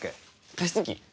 加湿器。